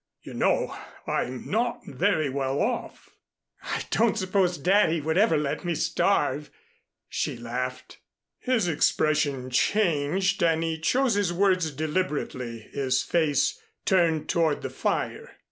You know I'm not very well off." "I don't suppose Daddy would ever let me starve," she laughed. His expression changed and he chose his words deliberately, his face turned toward the fire.